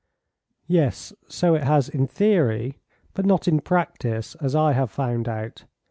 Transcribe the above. "Yes, so it has in theory but not in practice, as I have found out.